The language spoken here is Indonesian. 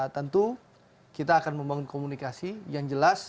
tentu kita akan membangun komunikasi yang jelas